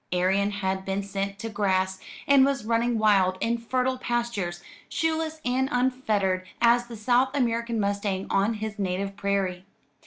Arion had been sent to grass, and was running wild in fertile pastures, shoeless and unfettered as the South American mustang on his native prairie.